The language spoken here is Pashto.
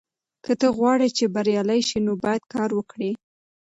که ته غواړې چې بریالی شې نو باید کار وکړې.